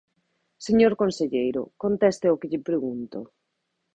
Señor conselleiro, conteste ao que lle pregunto.